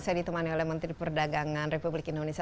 saya ditemani oleh menteri perdagangan republik indonesia